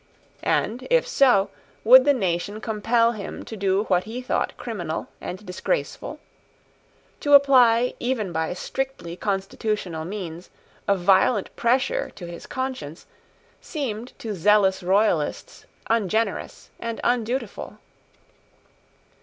And, if so, would the nation compel him to do what he thought criminal and disgraceful? To apply, even by strictly constitutional means, a violent pressure to his conscience, seemed to zealous royalists ungenerous and undutiful.